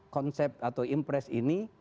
konsep atau impres ini